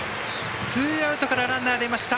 ツーアウトからランナー出ました。